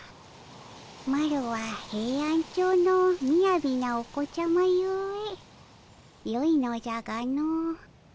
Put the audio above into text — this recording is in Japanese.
マロはヘイアンチョウのみやびなお子ちゃまゆえよいのじゃがの。